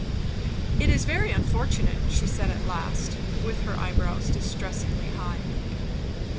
"It is very unfortunate!" she said at last, with her eyebrows distressingly high.